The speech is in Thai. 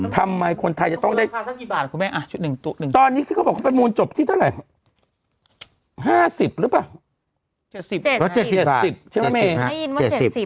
ทำไมคนไทยจะต้องได้ตอนนี้เขาบอกว่ามูลจบที่เท่าไหร่๕๐หรือเปล่า๗๐บาท